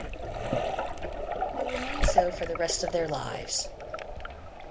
They remained so for the rest of their lives.